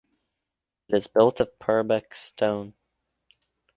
It is built of Purbeck stone.